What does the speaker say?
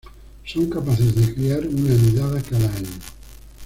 Son capaces de criar una nidada cada año.